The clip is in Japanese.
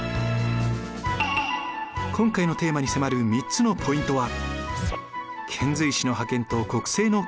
今回のテーマに迫る３つのポイントは。